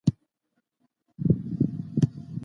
که کورنۍ مطالعه دوام ورکړي، ماشوم نه بې علاقې کېږي.